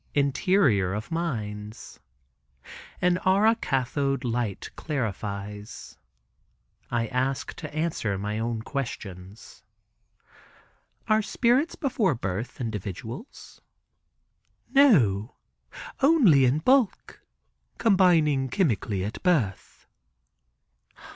Interior of minds. An aura cathode light clarifies. I ask; to answer; my own questions. "Are spirits before birth individuals?" "No, only in bulk, combining chemically at birth."